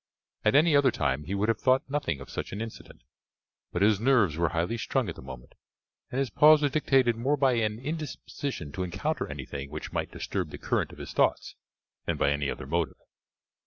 At any other time he would have thought nothing of such an incident, but his nerves were highly strung at the moment, and his pause was dictated more by an indisposition to encounter anything which might disturb the current of his thoughts than by any other motive.